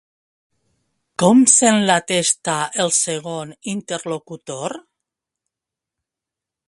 Com sent la testa el segon interlocutor?